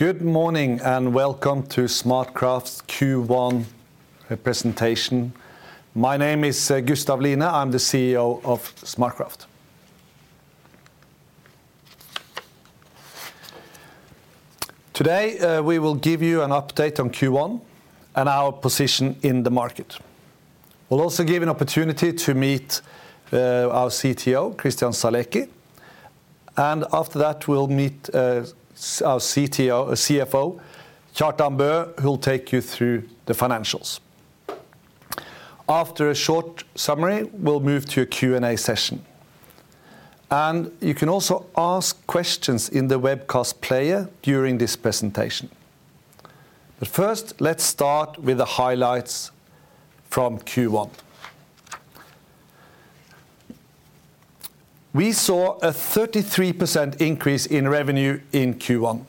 Good morning and welcome to SmartCraft's Q1 Presentation. My name is Gustav Line. I'm the CEO of SmartCraft. Today we will give you an update on Q1 and our position in the market. We'll also give an opportunity to meet our CTO, Christian Saleki. After that, we'll meet our CFO, Kjartan Bø, who will take you through the financials. After a short summary, we'll move to a Q&A session. You can also ask questions in the webcast player during this presentation. First, let's start with the highlights from Q1. We saw a 33% increase in revenue in Q1,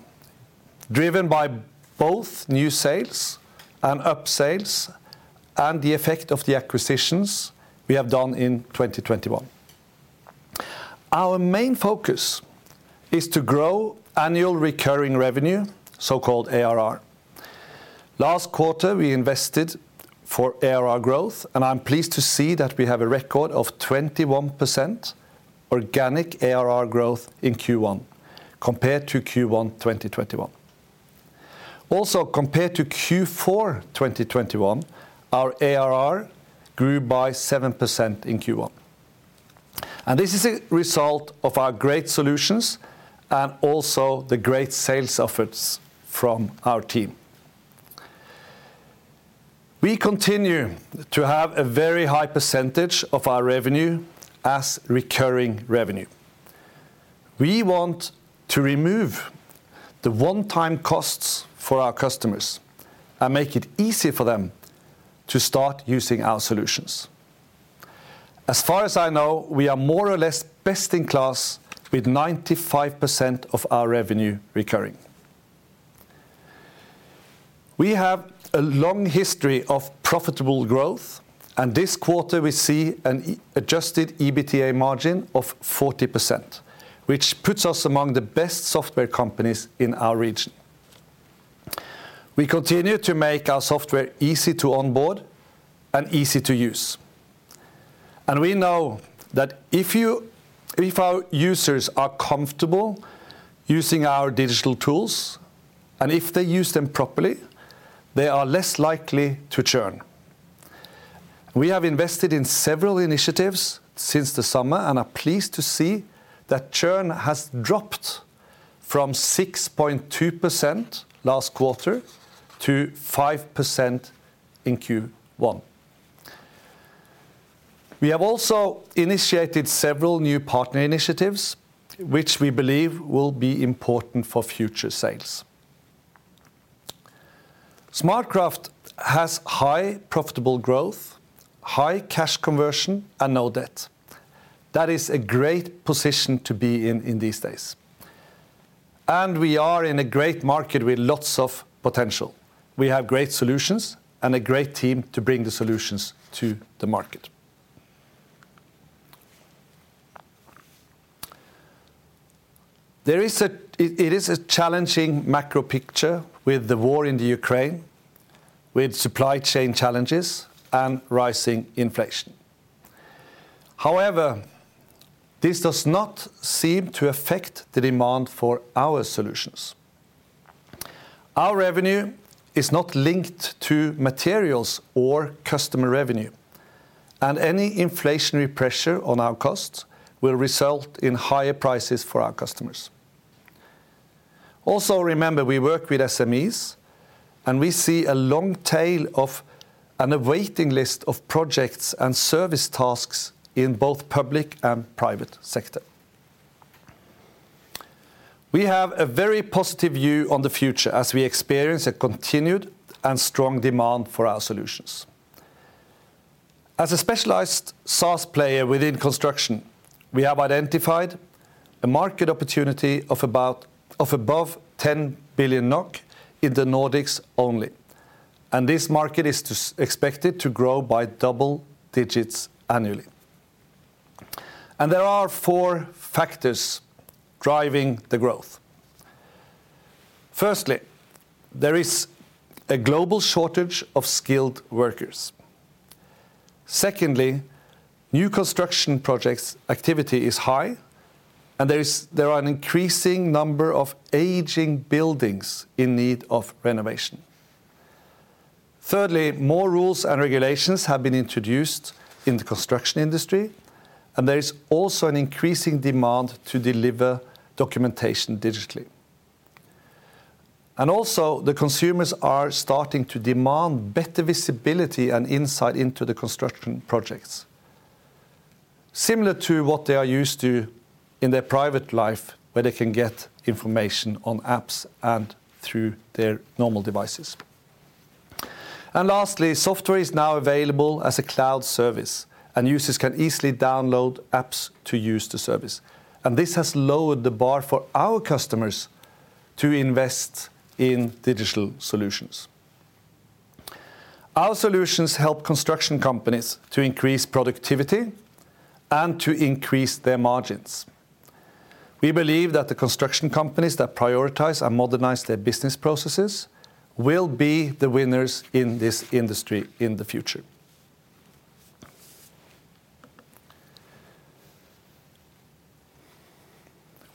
driven by both new sales and upsales and the effect of the acquisitions we have done in 2021. Our main focus is to grow annual recurring revenue, so-called ARR. Last quarter, we invested for ARR growth, and I'm pleased to see that we have a record of 21% organic ARR growth in Q1 compared to Q1 2021. Also, compared to Q4 2021, our ARR grew by 7% in Q1. This is a result of our great solutions and also the great sales efforts from our team. We continue to have a very high percentage of our revenue as recurring revenue. We want to remove the one-time costs for our customers and make it easy for them to start using our solutions. As far as I know, we are more or less best in class with 95% of our revenue recurring. We have a long history of profitable growth, and this quarter we see an adjusted EBITDA margin of 40%, which puts us among the best software companies in our region. We continue to make our software easy to onboard and easy to use. We know that if our users are comfortable using our digital tools, and if they use them properly, they are less likely to churn. We have invested in several initiatives since the summer and are pleased to see that churn has dropped from 6.2% last quarter to 5% in Q1. We have also initiated several new partner initiatives, which we believe will be important for future sales. SmartCraft has high profitable growth, high cash conversion, and no debt. That is a great position to be in in these days. We are in a great market with lots of potential. We have great solutions and a great team to bring the solutions to the market. It is a challenging macro picture with the war in the Ukraine, with supply chain challenges, and rising inflation. However, this does not seem to affect the demand for our solutions. Our revenue is not linked to materials or customer revenue, and any inflationary pressure on our costs will result in higher prices for our customers. Also, remember, we work with SMEs, and we see a long tail of a waiting list of projects and service tasks in both public and private sector. We have a very positive view on the future as we experience a continued and strong demand for our solutions. As a specialized SaaS player within construction, we have identified a market opportunity of above 10 billion NOK in the Nordics only. This market is expected to grow by double digits annually. There are four factors driving the growth. Firstly, there is a global shortage of skilled workers. Secondly, new construction projects activity is high, and there are an increasing number of aging buildings in need of renovation. Thirdly, more rules and regulations have been introduced in the construction industry, and there is also an increasing demand to deliver documentation digitally. The consumers are starting to demand better visibility and insight into the construction projects, similar to what they are used to in their private life, where they can get information on apps and through their normal devices. Software is now available as a cloud service, and users can easily download apps to use the service. This has lowered the bar for our customers to invest in digital solutions. Our solutions help construction companies to increase productivity and to increase their margins. We believe that the construction companies that prioritize and modernize their business processes will be the winners in this industry in the future.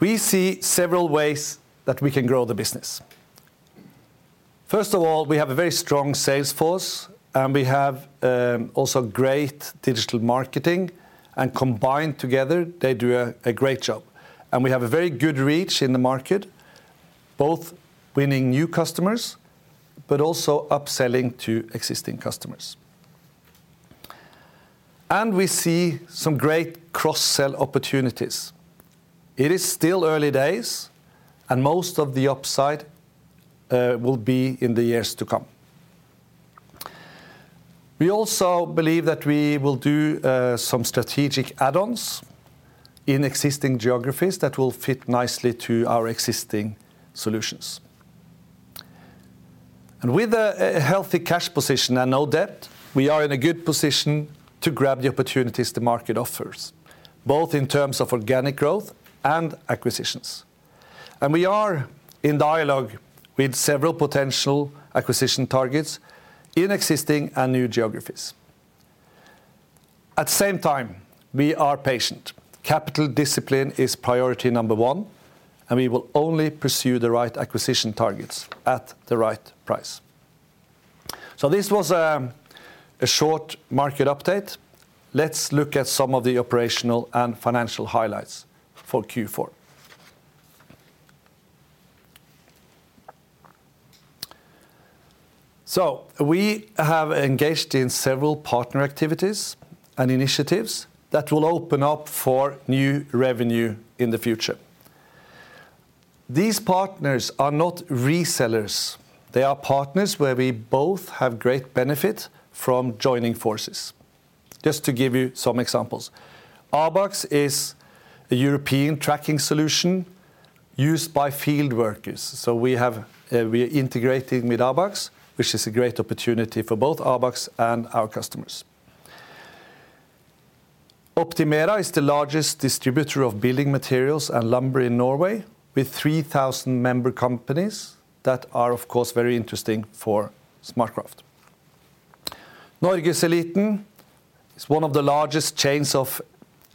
We see several ways that we can grow the business. First of all, we have a very strong sales force, and we have also great digital marketing, and combined together they do a great job. We have a very good reach in the market, both winning new customers but also upselling to existing customers. We see some great cross-sell opportunities. It is still early days, and most of the upside will be in the years to come. We also believe that we will do some strategic add-ons in existing geographies that will fit nicely to our existing solutions. With a healthy cash position and no debt, we are in a good position to grab the opportunities the market offers, both in terms of organic growth and acquisitions. We are in dialogue with several potential acquisition targets in existing and new geographies. At the same time, we are patient. Capital discipline is priority number one, and we will only pursue the right acquisition targets at the right price. This was a short market update. Let's look at some of the operational and financial highlights for Q4. We have engaged in several partner activities and initiatives that will open up for new revenue in the future. These partners are not resellers. They are partners where we both have great benefit from joining forces. Just to give you some examples, ABAX is a European tracking solution used by field workers. We're integrating with ABAX, which is a great opportunity for both ABAX and our customers. Optimera is the largest distributor of building materials and lumber in Norway with 3,000 member companies that are of course very interesting for SmartCraft. Norgeseliten is one of the largest chains of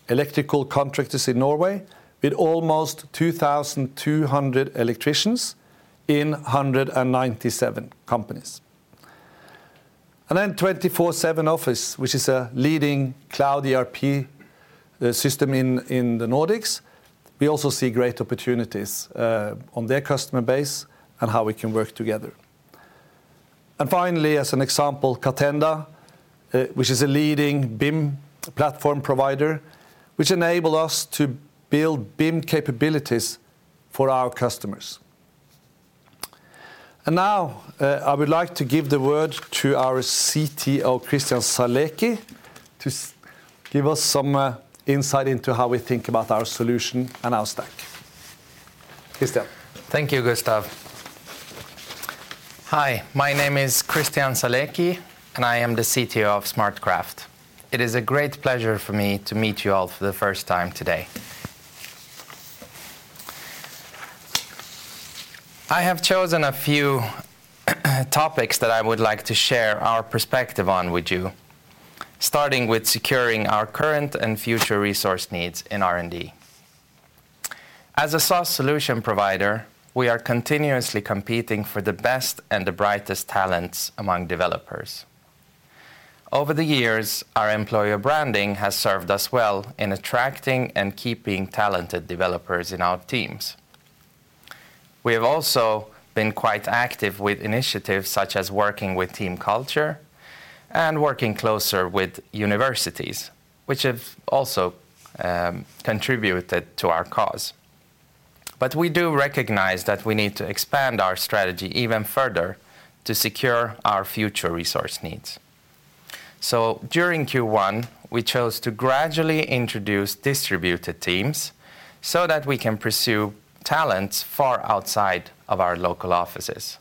electrical contractors in Norway with almost 2,200 electricians in 197 companies. 24SevenOffice, which is a leading cloud ERP system in the Nordics. We also see great opportunities on their customer base and how we can work together. Finally, as an example, Catenda, which is a leading BIM platform provider, which enable us to build BIM capabilities for our customers. Now, I would like to give the word to our CTO, Christian Saleki, to give us some insight into how we think about our solution and our stack. Christian. Thank you, Gustav. Hi, my name is Christian Saleki, and I am the CTO of SmartCraft. It is a great pleasure for me to meet you all for the first time today. I have chosen a few topics that I would like to share our perspective on with you, starting with securing our current and future resource needs in R&D. As a SaaS solution provider, we are continuously competing for the best and the brightest talents among developers. Over the years, our employer branding has served us well in attracting and keeping talented developers in our teams. We have also been quite active with initiatives such as working with Team Culture and working closer with universities, which have also contributed to our cause. We do recognize that we need to expand our strategy even further to secure our future resource needs. During Q1, we chose to gradually introduce distributed teams so that we can pursue talents far outside of our local offices.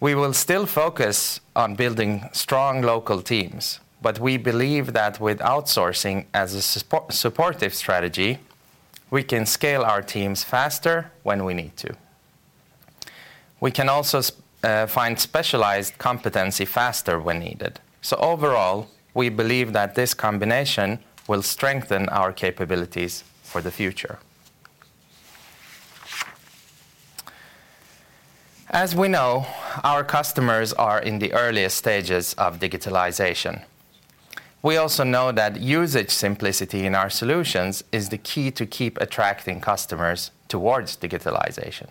We will still focus on building strong local teams, but we believe that with outsourcing as a supportive strategy, we can scale our teams faster when we need to. We can also find specialized competency faster when needed. Overall, we believe that this combination will strengthen our capabilities for the future. As we know, our customers are in the earliest stages of digitalization. We also know that usage simplicity in our solutions is the key to keep attracting customers towards digitalization.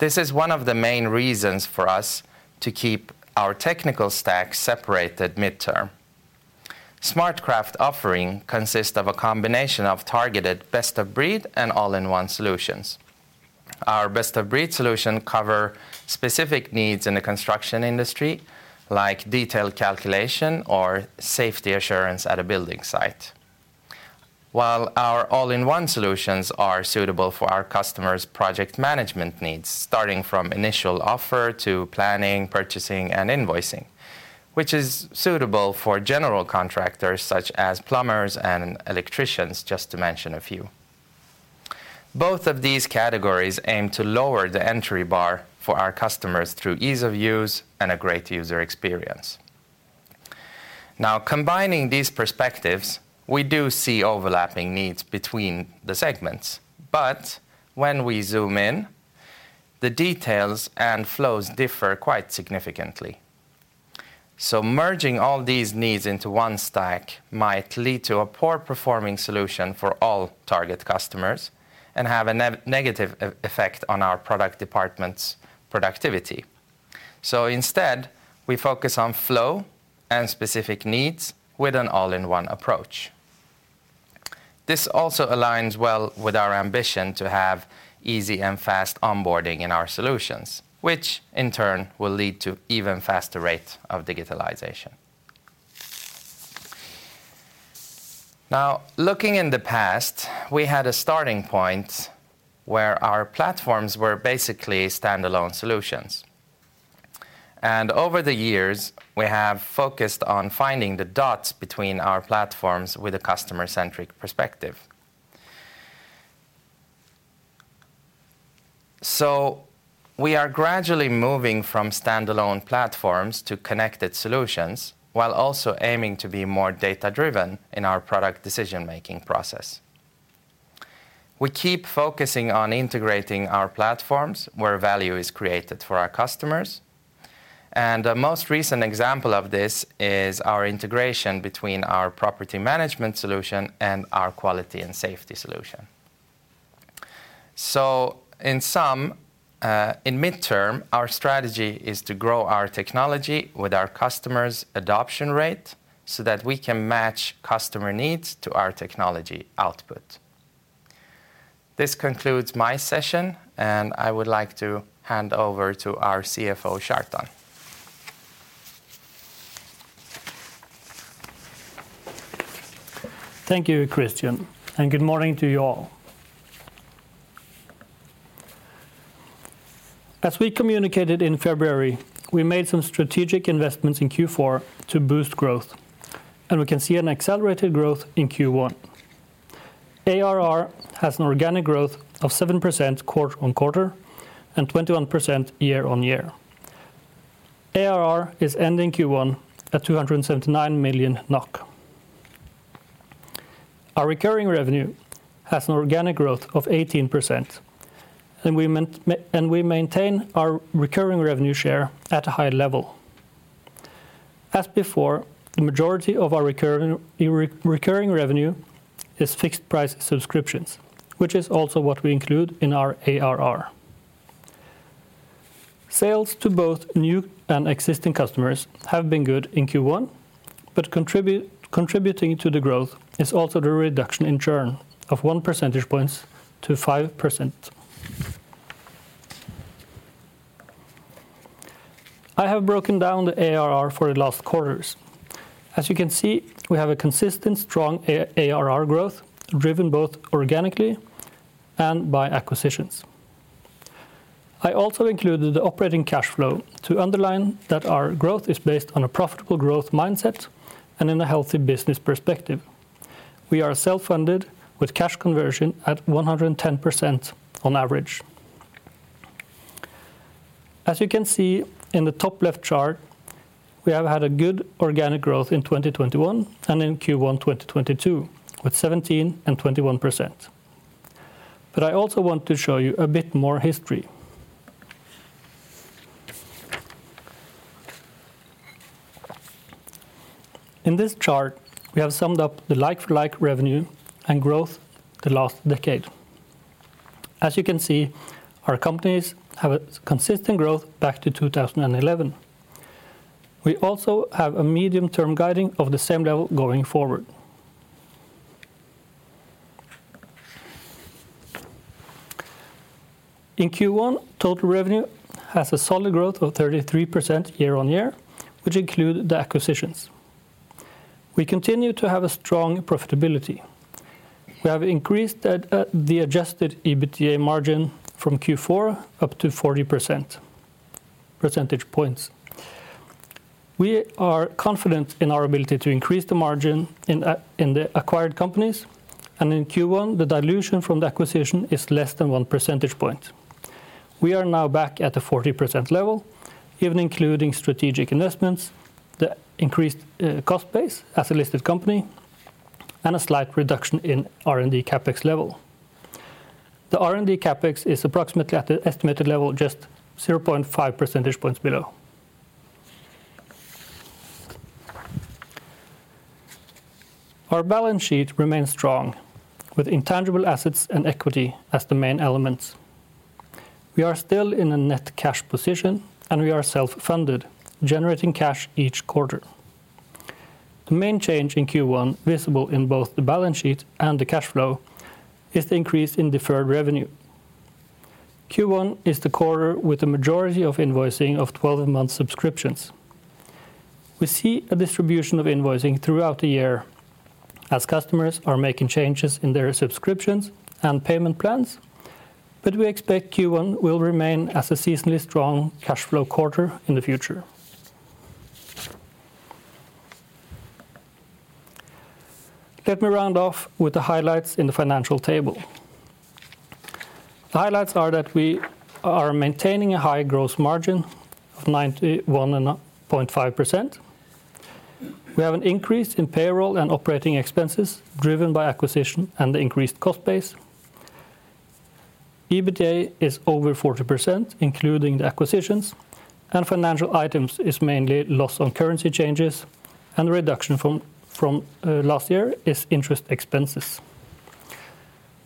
This is one of the main reasons for us to keep our technical stacks separated midterm. SmartCraft offering consists of a combination of targeted best of breed and all-in-one solutions. Our best of breed solution cover specific needs in the construction industry, like detailed calculation or safety assurance at a building site. While our all-in-one solutions are suitable for our customers' project management needs, starting from initial offer to planning, purchasing, and invoicing, which is suitable for general contractors such as plumbers and electricians, just to mention a few. Both of these categories aim to lower the entry bar for our customers through ease of use and a great user experience. Now, combining these perspectives, we do see overlapping needs between the segments, but when we zoom in, the details and flows differ quite significantly. Merging all these needs into one stack might lead to a poor performing solution for all target customers and have a negative effect on our product department's productivity. Instead, we focus on flow and specific needs with an all-in-one approach. This also aligns well with our ambition to have easy and fast onboarding in our solutions, which in turn will lead to even faster rate of digitalization. Now, looking in the past, we had a starting point where our platforms were basically standalone solutions. Over the years, we have focused on finding the dots between our platforms with a customer-centric perspective. We are gradually moving from standalone platforms to connected solutions, while also aiming to be more data-driven in our product decision-making process. We keep focusing on integrating our platforms where value is created for our customers. The most recent example of this is our integration between our property management solution and our quality and safety solution. In sum, in mid-term, our strategy is to grow our technology with our customers' adoption rate so that we can match customer needs to our technology output. This concludes my session, and I would like to hand over to our CFO, Kjartan. Thank you, Christian, and good morning to you all. As we communicated in February, we made some strategic investments in Q4 to boost growth, and we can see an accelerated growth in Q1. ARR has an organic growth of 7% quarter-on-quarter and 21% year-on-year. ARR is ending Q1 at 279 million NOK. Our recurring revenue has an organic growth of 18%, and we maintain our recurring revenue share at a high level. As before, the majority of our recurring revenue is fixed price subscriptions, which is also what we include in our ARR. Sales to both new and existing customers have been good in Q1, but contributing to the growth is also the reduction in churn of 1 percentage points to 5%. I have broken down the ARR for the last quarters. As you can see, we have a consistent strong ARR growth driven both organically and by acquisitions. I also included the operating cash flow to underline that our growth is based on a profitable growth mindset and in a healthy business perspective. We are self-funded with cash conversion at 110% on average. As you can see in the top left chart, we have had a good organic growth in 2021 and in Q1 2022, with 17% and 21%. I also want to show you a bit more history. In this chart, we have summed up the like-for-like revenue and growth the last decade. As you can see, our companies have a consistent growth back to 2011. We also have a medium-term guiding of the same level going forward. In Q1, total revenue has a solid growth of 33% year-on-year, which include the acquisitions. We continue to have a strong profitability. We have increased the adjusted EBITDA margin from Q4 up to 40 percentage points. We are confident in our ability to increase the margin in the acquired companies, and in Q1, the dilution from the acquisition is less than 1 percentage point. We are now back at the 40% level, even including strategic investments, the increased cost base as a listed company, and a slight reduction in R&D CapEx level. The R&D CapEx is approximately at the estimated level just 0.5 percentage points below. Our balance sheet remains strong with intangible assets and equity as the main elements. We are still in a net cash position, and we are self-funded, generating cash each quarter. The main change in Q1 visible in both the balance sheet and the cash flow is the increase in deferred revenue. Q1 is the quarter with the majority of invoicing of 12-month subscriptions. We see a distribution of invoicing throughout the year as customers are making changes in their subscriptions and payment plans, but we expect Q1 will remain as a seasonally strong cash flow quarter in the future. Let me round off with the highlights in the financial table. The highlights are that we are maintaining a high gross margin of 91.5%. We have an increase in payroll and operating expenses driven by acquisition and the increased cost base. EBITDA is over 40%, including the acquisitions, and financial items is mainly loss on currency changes, and the reduction from last year is interest expenses.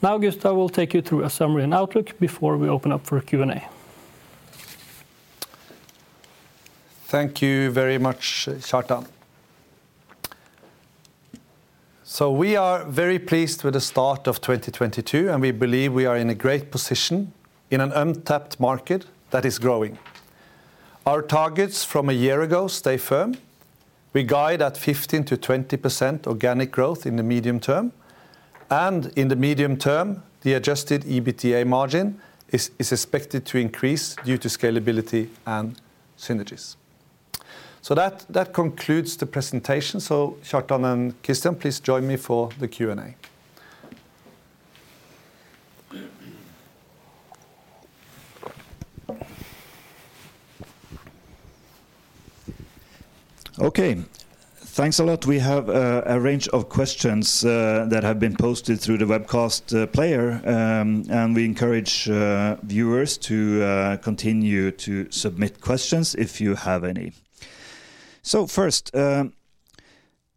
Now, Gustav will take you through a summary and outlook before we open up for Q&A. Thank you very much, Kjartan. We are very pleased with the start of 2022, and we believe we are in a great position in an untapped market that is growing. Our targets from a year ago stay firm. We guide at 15%-20% organic growth in the medium term, and in the medium term, the adjusted EBITDA margin is expected to increase due to scalability and synergies. That concludes the presentation. Kjartan and Christian, please join me for the Q&A. Okay. Thanks a lot. We have a range of questions that have been posted through the webcast player, and we encourage viewers to continue to submit questions if you have any. First,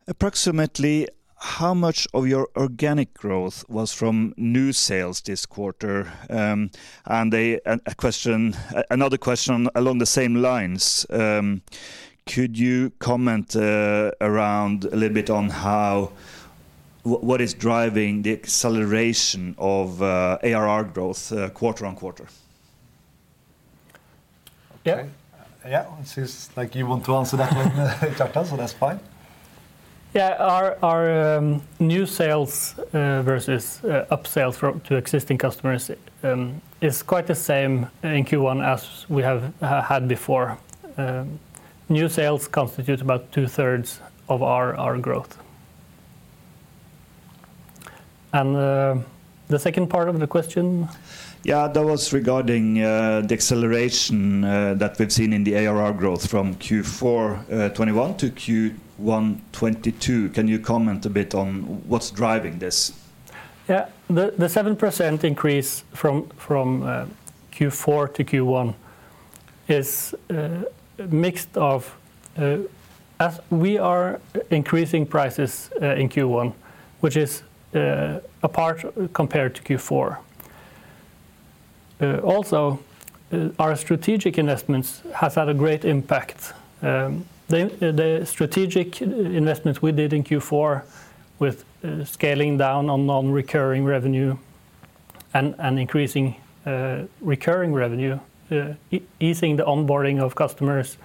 approximately how much of your organic growth was from new sales this quarter? Another question along the same lines, could you comment around a little bit on what is driving the acceleration of ARR growth quarter-over-quarter? Yeah. Okay. Yeah. It seems like you want to answer that one, Kjartan, so that's fine. Yeah. Our new sales versus upsales to existing customers is quite the same in Q1 as we have had before. New sales constitute about 2/3 of our growth. The second part of the question? Yeah, that was regarding the acceleration that we've seen in the ARR growth from Q4 2021 to Q1 2022. Can you comment a bit on what's driving this? Yeah. The 7% increase from Q4 to Q1 is a mix of, as we are increasing prices in Q1, which is a part compared to Q4. Also, our strategic investments has had a great impact. The strategic investments we did in Q4 with scaling down on non-recurring revenue and increasing recurring revenue, easing the onboarding of customers,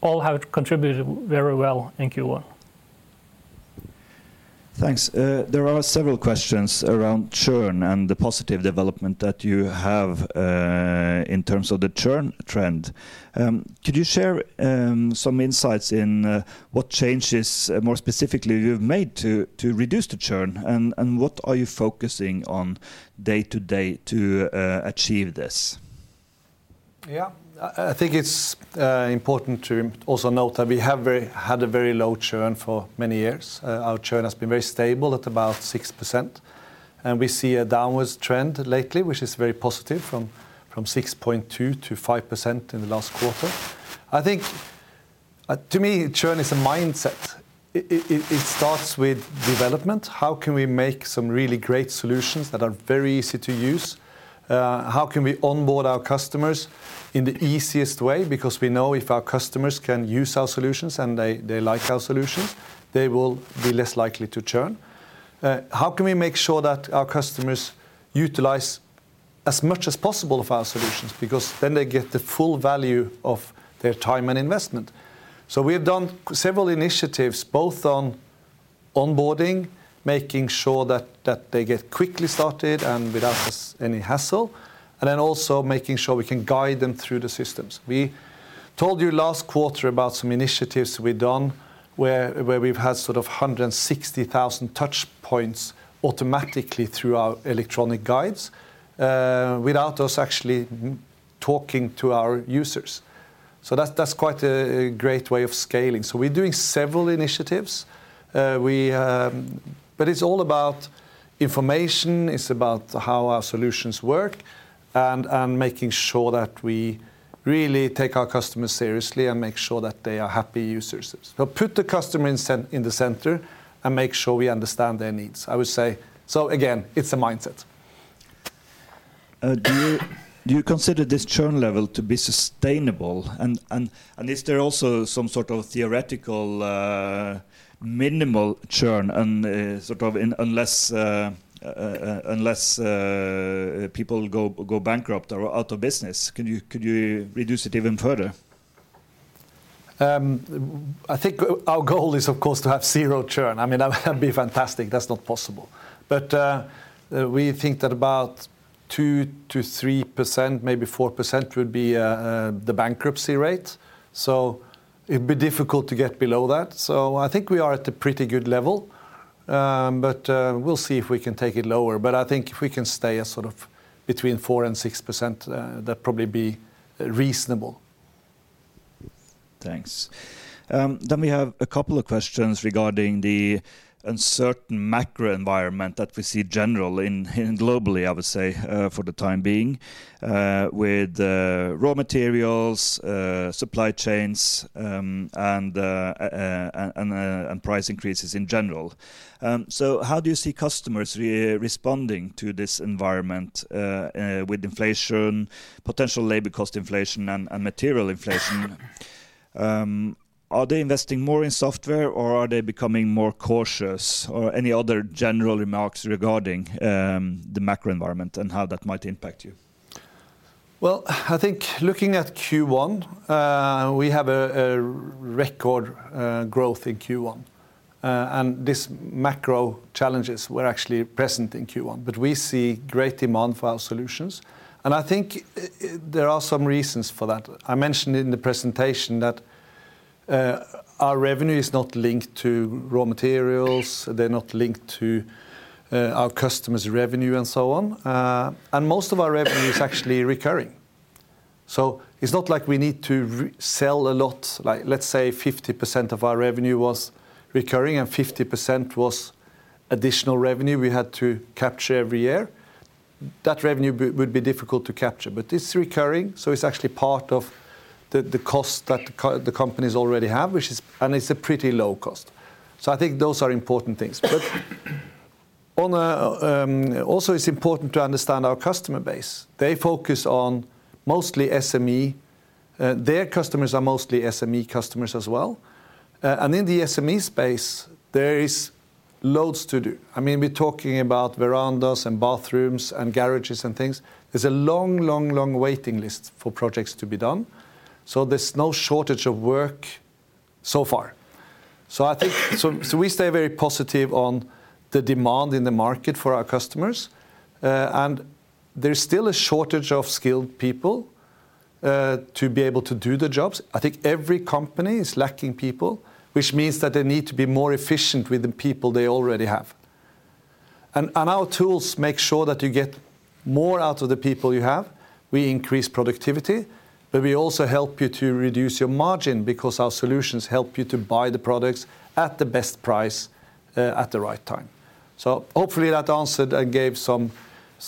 all have contributed very well in Q1. Thanks. There are several questions around churn and the positive development that you have in terms of the churn trend. Could you share some insights in what changes more specifically you've made to reduce the churn, and what are you focusing on day to day to achieve this? Yeah. I think it's important to also note that we have had a very low churn for many years. Our churn has been very stable at about 6%, and we see a downward trend lately, which is very positive, from 6.2%-5% in the last quarter. I think, to me, churn is a mindset. It starts with development. How can we make some really great solutions that are very easy to use? How can we onboard our customers in the easiest way? Because we know if our customers can use our solutions and they like our solutions, they will be less likely to churn. How can we make sure that our customers utilize as much as possible of our solutions? Because then they get the full value of their time and investment. We have done several initiatives, both on onboarding, making sure that they get quickly started and without any hassle, and then also making sure we can guide them through the systems. We told you last quarter about some initiatives we've done where we've had sort of 160,000 touch points automatically through our electronic guides, without us actually talking to our users. That's quite a great way of scaling. We're doing several initiatives. It's all about information. It's about how our solutions work and making sure that we really take our customers seriously and make sure that they are happy users. Put the customer in the center and make sure we understand their needs, I would say. Again, it's a mindset. Do you consider this churn level to be sustainable? Is there also some sort of theoretical minimal churn and sort of unless people go bankrupt or are out of business? Could you reduce it even further? I think our goal is, of course, to have zero churn. I mean, that would be fantastic. That's not possible. We think that about 2%-3%, maybe 4% would be the bankruptcy rate, so it'd be difficult to get below that. I think we are at a pretty good level, but we'll see if we can take it lower. I think if we can stay as, sort of, between 4%-6%, that'd probably be reasonable. Thanks. We have a couple of questions regarding the uncertain macro environment that we see generally, globally, I would say, for the time being, with raw materials, supply chains, and price increases in general. How do you see customers responding to this environment, with inflation, potential labor cost inflation and material inflation? Are they investing more in software or are they becoming more cautious? Any other general remarks regarding the macro environment and how that might impact you? Well, I think looking at Q1, we have a record growth in Q1. This macro challenges were actually present in Q1, but we see great demand for our solutions. I think there are some reasons for that. I mentioned in the presentation that our revenue is not linked to raw materials, they're not linked to our customer's revenue and so on. Most of our revenue is actually recurring. It's not like we need to resell a lot. Like, let's say 50% of our revenue was recurring and 50% was additional revenue we had to capture every year. That revenue would be difficult to capture. It's recurring, so it's actually part of the cost that the companies already have, which is, and it's a pretty low cost. I think those are important things. Also, it's important to understand our customer base. They focus on mostly SME. Their customers are mostly SME customers as well. In the SME space, there is loads to do. I mean, we're talking about verandas and bathrooms and garages and things. There's a long waiting list for projects to be done. There's no shortage of work so far. We stay very positive on the demand in the market for our customers. There's still a shortage of skilled people to be able to do the jobs. I think every company is lacking people, which means that they need to be more efficient with the people they already have. Our tools make sure that you get more out of the people you have. We increase productivity, but we also help you to reduce your margin because our solutions help you to buy the products at the best price, at the right time. Hopefully that answered and gave some.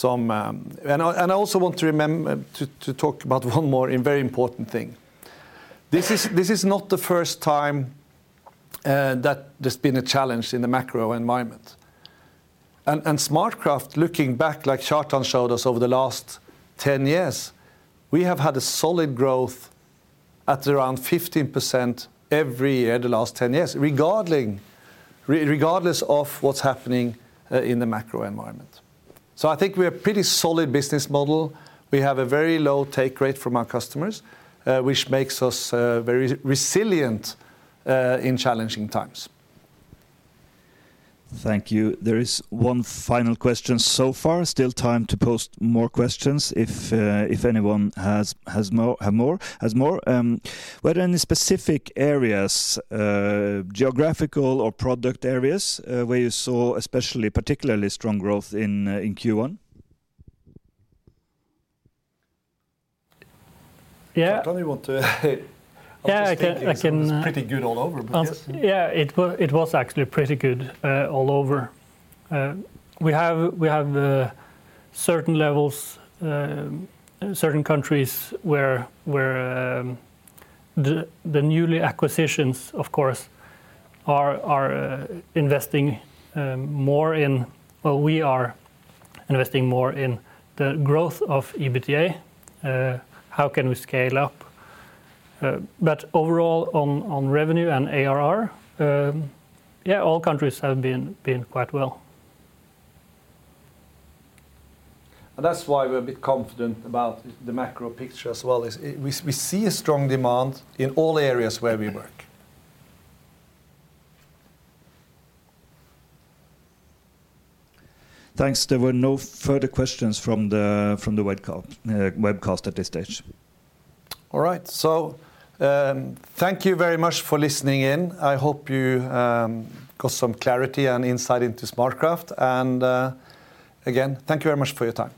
I also want to talk about one more and very important thing. This is not the first time that there's been a challenge in the macro environment. SmartCraft, looking back, like Kjartan Bø showed us, over the last 10 years, we have had a solid growth at around 15% every year, the last 10 years, regardless of what's happening in the macro environment. I think we're a pretty solid business model. We have a very low take rate from our customers, which makes us very resilient in challenging times. Thank you. There is one final question so far. Still time to post more questions if anyone has more. Were there any specific areas, geographical or product areas, where you saw especially particularly strong growth in Q1? Yeah. Kjartan Bø, you want to. Yeah, I can. I'm just thinking it was pretty good all over, but yes. Yeah, it was actually pretty good all over. We have certain levels, certain countries where the new acquisitions, of course, are investing more. Well, we are investing more in the growth of EBITDA, how can we scale up. Overall on revenue and ARR, yeah, all countries have been quite well. That's why we're a bit confident about the macro picture as well. We see a strong demand in all areas where we work. Thanks. There were no further questions from the webcast at this stage. All right. Thank you very much for listening in. I hope you got some clarity and insight into SmartCraft. Again, thank you very much for your time.